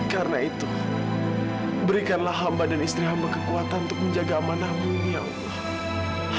karena itu berikanlah hamba dan istri hamba kekuatan untuk menjaga amanahmu ya allah